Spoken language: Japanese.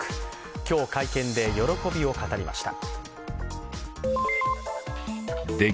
今日、会見で喜びを語りました。